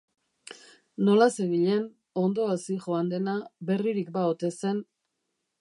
Nola zebilen, ondo al zihoan dena, berririk ba ote zen.